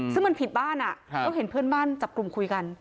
ซึ่งมันผิดบ้านก็เห็นเพื่อนบ้านจับกลุ่มคุยกัน